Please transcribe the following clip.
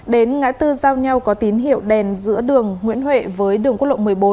đến ngã tư giao nhau có tín hiệu đèn giữa đường nguyễn huệ với đường quốc lộ một mươi bốn